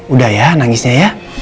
udah ya nangisnya ya